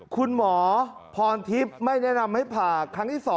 คุณหมอพรทิพย์ไม่แนะนำให้ผ่าครั้งที่๒